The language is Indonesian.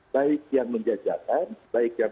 baik yang menjajakan baik yang